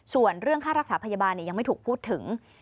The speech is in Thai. ส่วนเรื่องค่ารักษาพยาบาลยังไม่ถูกพูดถึง